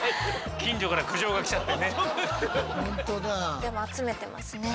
近所から苦情が来ちゃってね。